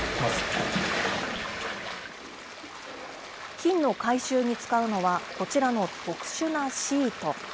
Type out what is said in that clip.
金の回収に使うのは、こちらの特殊なシート。